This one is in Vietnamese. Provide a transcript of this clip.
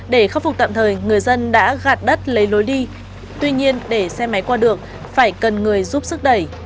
để khắc phục tạm thời người dân đã gạt đất lấy lối đi tuy nhiên để xe máy qua đường phải cần người giúp sức đẩy